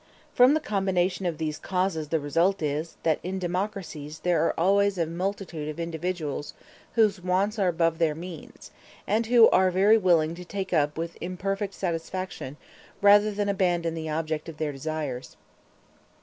From the combination of these causes the result is, that in democracies there are always a multitude of individuals whose wants are above their means, and who are very willing to take up with imperfect satisfaction rather than abandon the object of their desires.